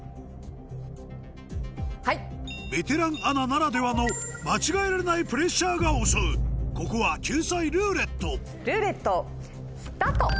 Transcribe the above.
ベテランアナならではの間違えられないプレッシャーが襲うここは救済「ルーレット」ルーレットスタート！